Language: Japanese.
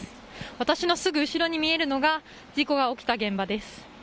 私のすぐ後ろに見えるのが事故が起きた現場です。